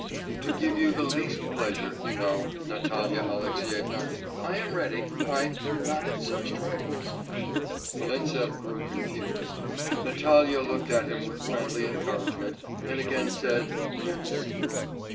'To give you the least pleasure, you know, Natalya Alexyevna, I am ready... I... not in such trifles ' Volintsev grew confused. Natalya looked at him with friendly encouragement, and again said 'merci!